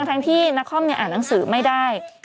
ทั้งที่นครอ่านหนังสือไม่ได้